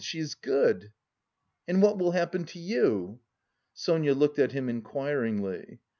She is good!" "And what will happen to you?" Sonia looked at him inquiringly.